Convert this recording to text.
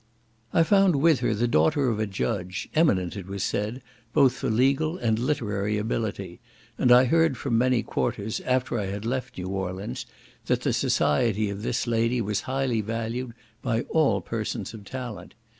I found with her the daughter of a judge, eminent, it was said, both for legal and literary ability, and I heard from many quarters, after I had left New Orleans, that the society of this lady was highly valued by all persons of talent.